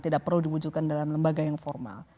tidak perlu diwujudkan dalam lembaga yang formal